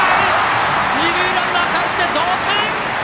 二塁ランナーかえって同点！